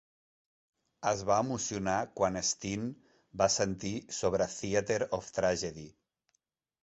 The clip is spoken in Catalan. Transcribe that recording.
Es va emocionar quan Stene va sentir sobre Theater of Tragedy.